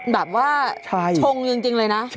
แบบว่าชงจริงเลยนะ